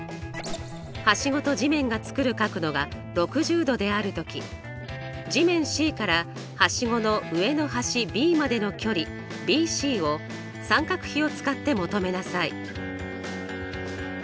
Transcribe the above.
はしごと地面が作る角度が６０°である時地面Ｃからはしごの上の端Ｂまでの距離ＢＣを三角比を使って求めなさい。